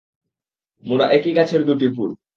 মোরা একই গাছের দুটি ফুল।